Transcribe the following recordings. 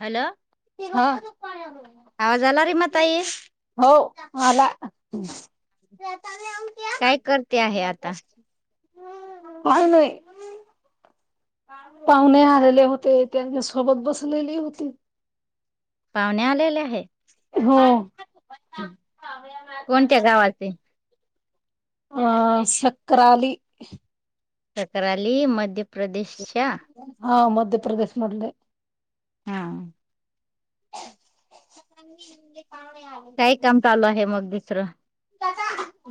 Hello. हा, आवाज आला रे म ताई हो मला [unintelligible] काय करते आहे आता? आलय. पाहुणे आलेले होते त्यांच्या सोबत बसलेली होती. पाहुणे आलेले आहे? हो... कोणत्या गावाचे? अ सकराली. सकराली मध्य प्रदेशच्या? हा मध्य प्रदेश मधले.... हा [unintelligible] काय काम चालू आहे मग दुसरं?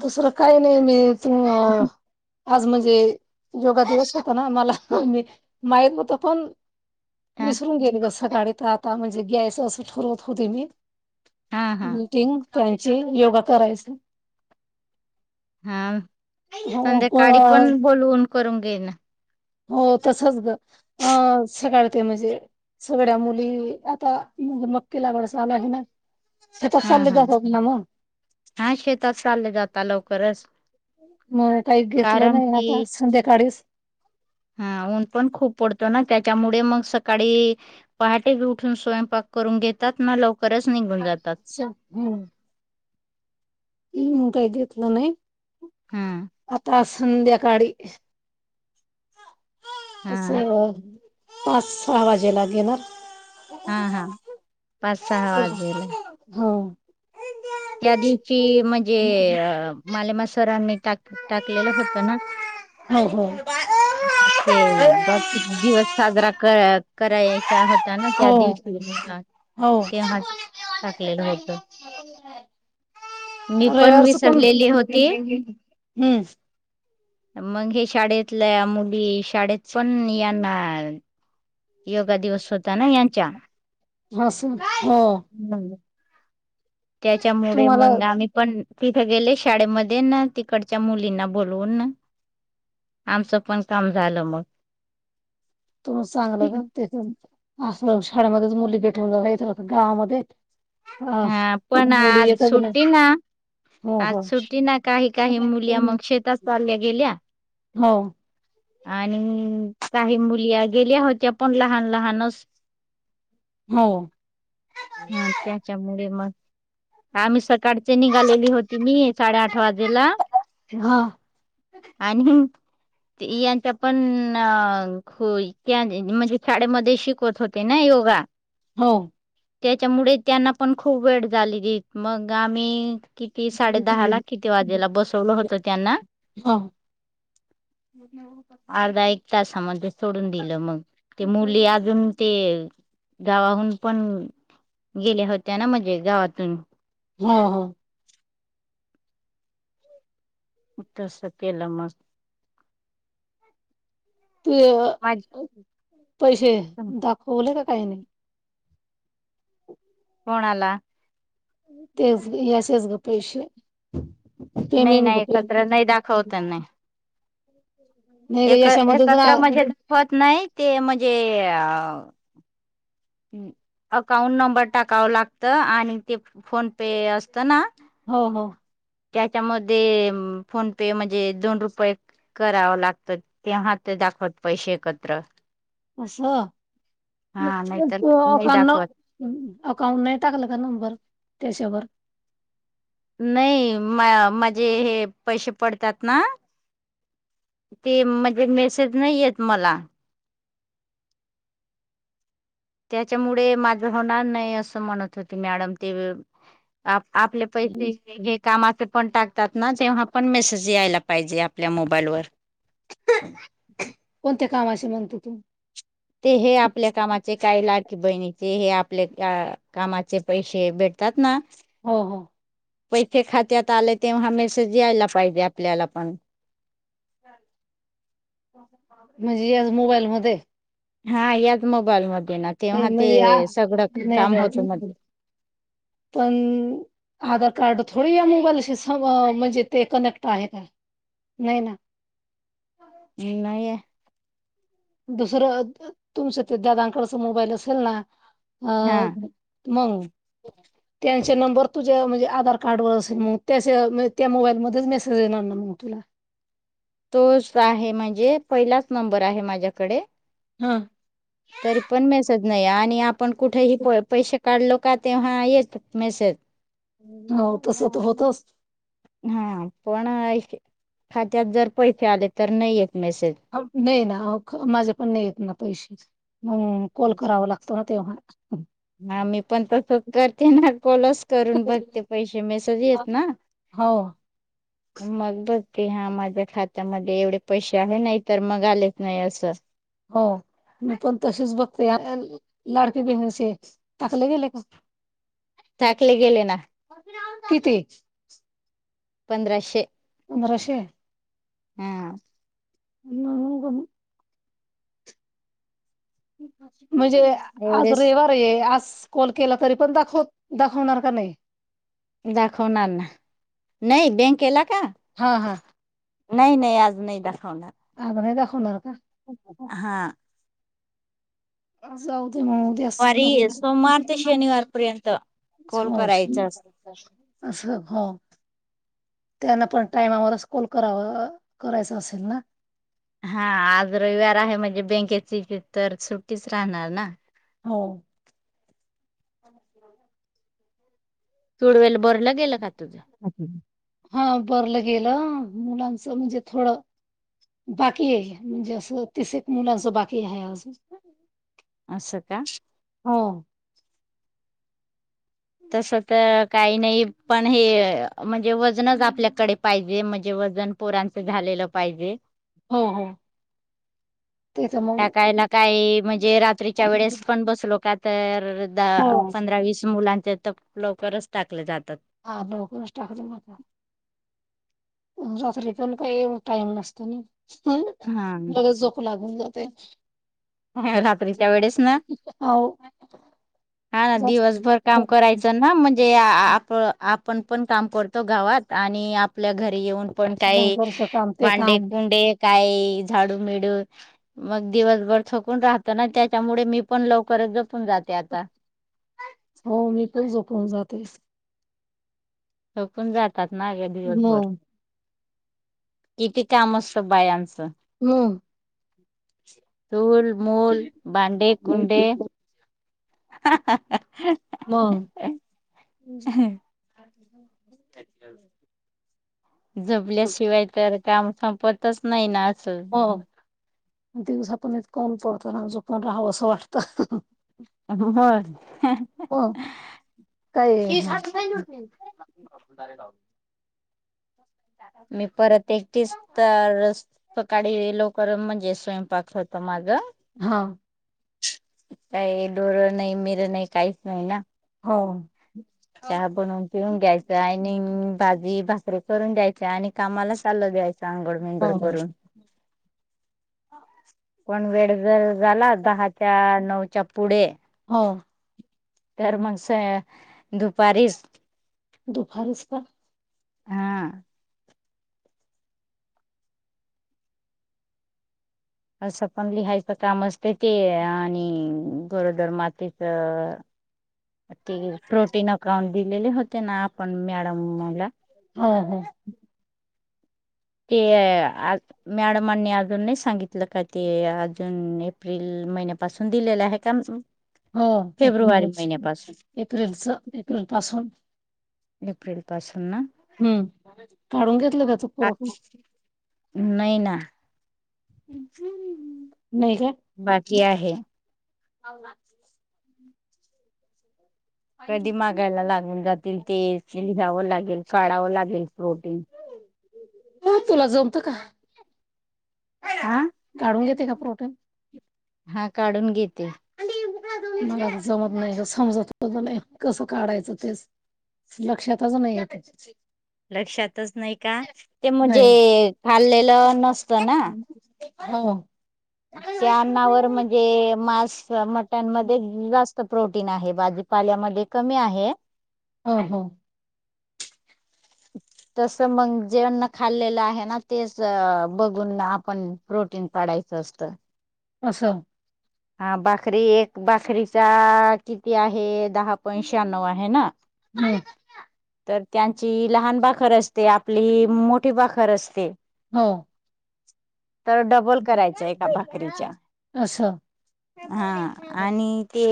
दुसरं काही नाही मी तू आज म्हणजे योगा दिवस होता ना मला मी माहीत होत पण... हा विसरून गेली ग सकाळी तर आता म्हणजे घ्यायचं असं ठरवत होते मी... हा हा मीटिंग त्यांची योगा करायच. हा संध्याकाळी हो पण बोलवून करून घेईना.... हो तसच ग अ सकाळ ते म्हणजे सगळ्या मुली आता... मग मक्की लागवडसा आला आहे ना. शेतात चालले हम् हम जातात ना मग. हा शेतात चालले जातात लवकरच म काही घेतलं कारण नाही आता की संध्याकाळीच हा ऊन पण खूप पडतो ना त्याच्यामुळे मग सकाळी पहाटे उठून स्वयंपाक करून घेतात ना लवकरच निघून जातात. स हं. येन काही घेतलं नाही हा आता संध्याकाळी हा असं पाच सहा वाजेला घेणार.... हा हा पाच सहा एक वाजलेला मिनिट, हो त्या दिवशी म्हणजे मालेमा सरांनी टाक टाकलेलं होतं ना हो, हो. बाकी बाकी दिवस साजरा क करायचा होत त्या ना त्या हो, दिवशी हो. तेव्हा टाकलेलं होत मी पण विसरलेली होती हम्म मग हे शाळेतल्या मुली शाळेत पण यांना योगा दिवस होता ना ह्यांच्या ह स हो त्याच्यामुळे तुम्हाला मग आम्ही पण तिथं गेले शाळेमध्ये ना तिकडच्या मुलींना बोलवून ना आमचं पण काम झालं मग. तु चांगलं कर तेथ असलं शाळेमध्येच मुली भेटून जायचं होत गावामध्ये अ हा पण मुली आज येतच नाही सुट्टी ना? हो आज हो सुट्टी ना काही काही मुली मग शेतात चालल्या गेल्या हो आणि काही मुली गेल्या होत्या पण लहान लहानच हो हा त्याच्यामुळे मग आम्ही स काडचे निघालेली होती मी साडे आठ वाजेला हा आणि ते यांचा पण अ ख म्हणजे शाळेमध्ये शिकवत होते ना योगा हो त्याच्यामुळे त्यांना पण खूप वेळ झालेली मग आम्ही किती साडे दहा ला किती वाजेला बसवलं होत त्यांना हो अर्धा एक तासामध्ये सोडून दिलं मग. ते मुली अजून ते गावाहून पण गेल्या होत्या ना म्हणजे गावातून हा हा उ तसं केलं मग. तू माझ पैसे दाखवले का काय आणि कोणाला? तेच गीत यासेच गं पैसे नाही पेमेंट ग नाही पेमेंट एकत्र नाही दाखवता नाही नाही ग एक याच्यामध्येच ना एकत्र म्हणजे दुखवत नाही ते म्हणजे अकाउंट नंबर टाकाव लागत आणि ते फोन पे असतं ना हो हो त्याच्यामध्ये फोन पे म्हणजे दोन रुपये करावं लागतं तेव्हा ते दाखवत पैसे एकत्र. असं हा छा नाहीतर नाही दाखवत अकाउंट नाही टाकलं का नंबर त्याच्यावर. नाही म माझे हे पैसे पडतात ना ते म्हणजे मेसेज नाही येत मला. त्याच्यामुळे माझे होणार नाही असं म्हणत होती मॅडम ते आप आपले पैसे घेत कामाचे पण टाकतात ना तेव्हा पण मेसेज यायला पाहिजे आपल्या मोबाईलवर. कोणत्या कामाशी म्हणतो तु? ते हे आपल्या कामाचे काही लाडकी बहिणीचे हे आपल्या कामाचे पैसे बेट तात ना हो हो. पैसे खात्यात आले तेव्हा हा मेसेज यायला पाहिजे आपल्याला पण. म्हणजे याच मोबाईल मध्ये.... हा याच मोबाईलमध्ये ना नाही, तेव्हा म्हणजे या ते सगळं नाही काम होतं ग म्हंजे... पण आधार.... कार्ड थोडी या मोबाईलशी सम म्हणजे ते कनेक्ट आहे का? नाही ना... ह नाहीयं.. दुसरं तुमचं ते दादांकडच मोबाईल असेल ना... अ हा मंग त्या.... चे नंबर तुझ्या म्हणजे आधार कार्ड वर असेल मग त्या त्या मोबाईल मध्येच मेसेज देणार ना मग तुला.... तोच आहे म्हणजे पहिलाच नंबर आहे माझ्याकडे.... हा तरी पण मेसेज नाही आणि आपण कुठेही प पैसे... काढलो का तेव्हा येत मेसेज... हो तसं तर होतंच... हा पण खात्यात जर पैसे आले तर नाही येत. मेसेज नाही ना माझे पण नाही येत ना पैसे हम्म कॉल करावा लागत... तोर तेव्हांच... हा मी पण तसंच करते ना कॉलच करून बघते पैसे मेसेज येत ना.... हो..... मग ब... की हा माझ्या खात्यामध्ये एवढे पैसे आहे नाही तर मग आलेच नाही असं.... हो.... मी पण तशीच बघते लाडकी बहीणीचे टाकले गेले का? टाकले गेले ना. किती? पंधराशे.... पंधराशे.... हम्म... ह ग.... म्हणजे आज एवढेच रविवार आज.... कॉल केला तरी पण दाखव दाखवणार का नाही.... दाखवनाणार ना नाही बँक केला... हा हा.... नाही नाही आज नाही दाखवणार.... अग नाही कार का.. हा... जाऊ दे मऊ दे अस क... वारी सोमवार ते शनिवारपर्यंत कॉल हो करायचा असतो. असं ह... त्यांना पण टायमावरच कॉल करावा करायचा असेल ना... हा आज रविवार आहे म्हणजे बँकेची तर सुट्टीच राहणार ना... हो.... चूडवेल... हा थोरलं गेलं मुलांचं म्हणजे थोडं... बाकी आहे म्हणजे असं तिस एक मुलांच बाकी आहे आज... अस का? तस तर काही नाही पण हे म्हणजे वजनच आपल्याकडे पाहिजे म्हणजे... वजन पोरांच झालेलं पाहिजे... हो हो.... ते तर मग टाकायला काय म्हणजे रात्रीच्या वेळेस पण बसलो का... तर हो. दहा पंधरा वीस मुलांचे तर लवकरच टाकले जातात.... ह नक टाका द मात.... रात्री पण काही ए टाईम नसतो ना हा मग झोप लागून ज ते रात्रीच्या वेळेस ना अहो, हा ना जास्त दिवसभर काम करायचं ना म्हणजे आप आपण पण काम पडतो गावात आणि आपल्या घरी येऊन पण मग काही घरचं काम, ते भांडे काम. कुंडे काही झाडू मेळू मग दिवसभर थकून राहत ना त्याच्यामुळे मी पण लवकरच जपून जाते आता हो मी पण झोपवून जातेस थकून जातात ना ग्या दिवसभर मग, किती काम असत बाय आमचं हम्म चुलमूल भांडे कुंडे म झोपल्याशिवाय तर काम संपतच नाही ना असं हो दिवस आपण इ कून पडतोना जो पण राहावं असं वाटतं अ हो हो काय हो ारे का मी परत एकटीच रस्काळी लोक पर म्हणजे स्वयंपाक होत मागं हा काही डोरं नाही मिर नाही काहीच नाही ना हो चहा बनून पिऊन घ्यायच्या भाजी भाासरी करून द्यायच आणि कामाला चाललं द्यायचं आघळ विंगड हो करून कोण वेळ जर झाला दहाच्या नऊच्या पुढे हो तर मग स दुपारीच दुपारस का हा असं पण लिहायचं काम असते ते आणि गरोदर मातीच ते प्रोटीन अकाउंट दिलेले होते ना आपण मॅडमला हा हा ते मॅडमांनी अजून नाही सांगितलं का ते अजून एप्रिल महिन्यापासून दिलेलं आहे का हो फेब्रुवारी एप्रिल महिन्यापासून एप्रिलच एप्रिल पासून एप्रिल पासून ना हम्म काढून घेतलं त्याचा पुरठा नाही ना बाकी आहे आहे आना कधी मागायला लागून जातील ते लिघावं लागेल काडावं लागेल प्रोटीन हो तुला जमत का हा काढून घेते का प्रोटीन हा काढून घेते मला जमत नाही समजत कस काढायचं तेच लक्षातच नाही आहे त्याच्या लक्षातच नाही का ते म्हणजे नाही खाल्लेलं नसतं ना हा त्या अन्नावर म्हणजे मांस मट्यांमध्ये जात प्रोटीन आहे भाजीपाल्यामध्ये कमी आहे ह हा तस मग जे खाल्लेलं आहे ना तेच बघून आपण प्रोटीन पा ायच असत अससां हा बाकरी एक बाकरीचा किती आहे दहा पॉइंट शहाण्णव आहे ना नाही तर त्यांची लहान बाखर असते आपली मोठी बाखर असते हो तर डबल करायचं एका भाकरीच्या असं हा आणि ते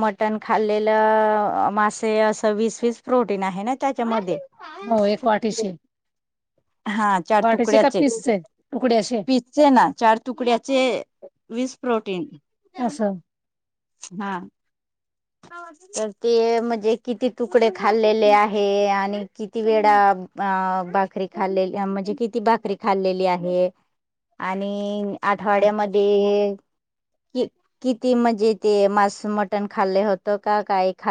मटण खाल्लेलं मासे असं वीस वीस प्रोटीन आहे ना त्याच्यामध्ये हो एक वाटीशी हा चार वाटायचे का तुकड्याचे पीसचे तुकडे असे पिजचे ना चार तुकड्याचे वीस प्रोटीन असचछा हा तर ते म्हणजे किती तुकडे खाल्लेले आहे आणि किती वेळा अ भाकरी खाल्ली म्हणजे किती भाकरी खाल्लेली आहे आणि आठवाड्यामध्ये ि किती म्हणजे ते मास मटण खाल्ले होते हो का काही ख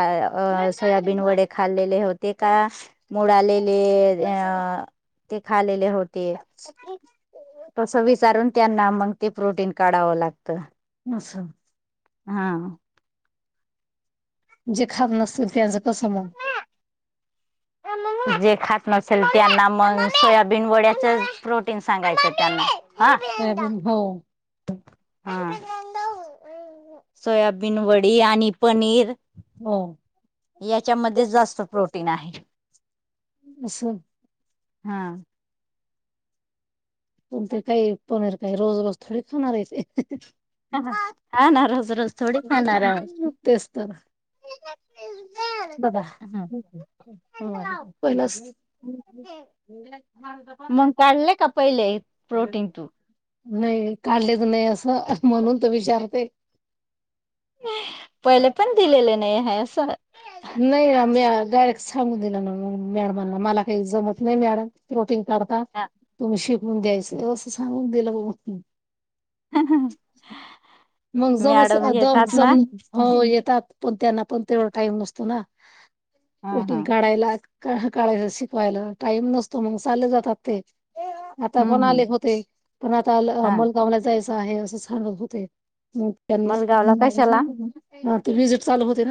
सोयाबीन वडे खाल्लेले होते का मुड आलेले ते खालेले होते तस विचारून त्यांना मग ते प्रोटीन काढावं लागतं मसां हा जे खात नसतील त्यांचं कसं म्हग जे खात नसेल त्यांना मग सोयाबीन वड्याच प्रोटीन सांगायच त्यांना हा सोयाबीन हो हा सोयाबीन वडी आणि पनीर हो याच्यामध्ये जास्त प्रोटीन आहे अंस हा पण ते काई पनीर काय रोज रोज थोडी खाणार आहेेस हा ना रोज रोज थोडी खाणार हाय तेच तर दादा हा पहिलंच मग काढलं का पहिले प्रोटीन तू नाही काढलेच नाही असं म्हणून तर विचारते पहिले पण दिलेले नाही आहे असं नाही रम या गार सांगू दिलं ना मॅडमला मला काही जमत नाही मॅडम प्रोटीन काढता तुम्ही शिक म्हून द्यायचं असं सांगून दिलं ब ह मग जमच जम ना हो ह येतात पण त्यांना पण तेवढा टाइम नस तर ह तुमचा राहिलाक तो हा काळआहे शिकवायला टाईम नसतो मग सहालां जातात ते म आता पण हम्म हम्म आलेख होते पण आता हा अमोलगावला जायचं आहे असं सांगत होते म त्यांना मलगावला कशाला ह ते विजिट चालू होते